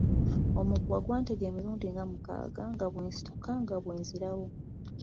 Omuguwa gwantega emirundi nga mukaaga nga bwe nsituka nga bwe nzirawo.